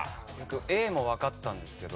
Ａもわかったんですけど。